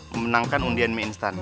memenangkan undian mie instan